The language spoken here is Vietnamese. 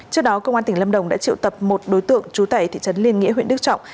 trước đó công an tỉnh lâm đồng đã triệu tập một đối tượng trú tại thị trấn liên nghĩa huyện đức trọng